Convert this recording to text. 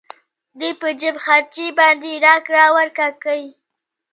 دوی په جېب خرچې باندې راکړه ورکړه کوي